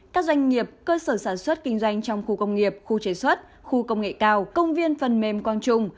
các doanh nghiệp cơ sở sản xuất kinh doanh trong khu công nghiệp khu chế xuất khu công nghệ cao công viên phần mềm quang trung